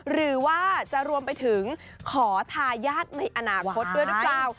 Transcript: หรือว่าจะรวมไปถึงขอทายาทในอนาคตด้วยหรือเปล่า